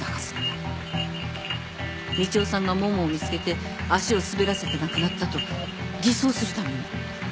道夫さんがモモを見つけて足を滑らせて亡くなったと偽装するために。